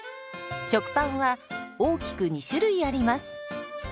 食パンは大きく２種類あります。